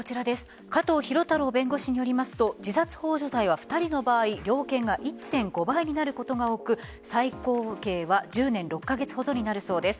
加藤博太郎弁護士によりますと自殺ほう助罪は２人の場合量刑が１．５倍になることが多く最高刑は１０年６カ月ほどになるそうです。